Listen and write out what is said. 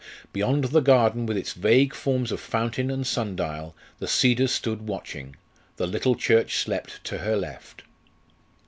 Beyond the garden, with its vague forms of fountain and sun dial, the cedars stood watching; the little church slept to her left.